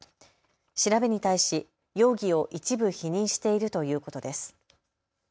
調べに対し容疑を一部否認しているということです。